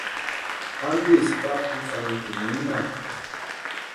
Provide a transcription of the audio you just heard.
¿Antisï kampu santurhu ninhakʼi?